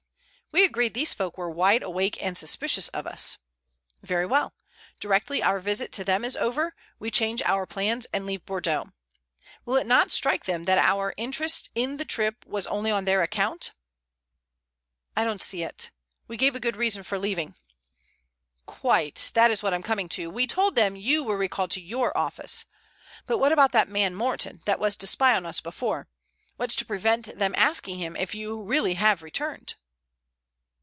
"We agreed these folk were wide awake and suspicious of us. Very well. Directly our visit to them is over, we change our plans and leave Bordeaux. Will it not strike them that our interest in the trip was only on their account?" "I don't see it. We gave a good reason for leaving." "Quite; that's what I'm coming to. We told them you were recalled to your office. But what about that man Morton, that was to spy on us before? What's to prevent them asking him if you really have returned?"